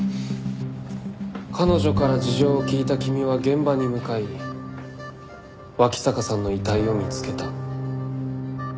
彼女から事情を聴いた君は現場に向かい脇坂さんの遺体を見つけた。